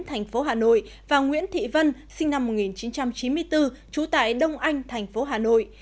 thành phố hà nội và nguyễn thị vân sinh năm một nghìn chín trăm chín mươi bốn trú tại đông anh thành phố hà nội